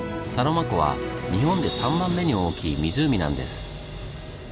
サロマ湖は日本で３番目に大きい湖なんです。